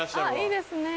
いいですね。